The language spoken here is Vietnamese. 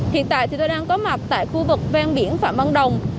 hiện tại thì tôi đang có mặt tại khu vực ven biển phạm văn đồng